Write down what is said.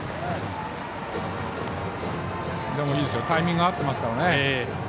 タイミングが合ってますから。